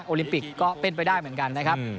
ลิมปิกก็เป็นไปได้เหมือนกันนะครับ